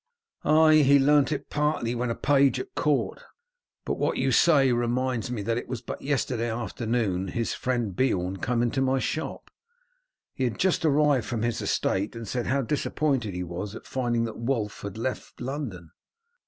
"Ay, he learnt it partly when a page at court. But what you say reminds me that it was but yesterday afternoon his friend Beorn came into my shop. He had just arrived from his estate, and said how disappointed he was at finding that Wulf had left London.